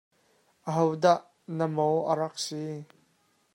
Ahodah na maw a rak si?